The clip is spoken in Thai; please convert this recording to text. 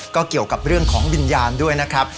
ก็เกี่ยวกับเรื่องของวิญญาณด้วยนะครับ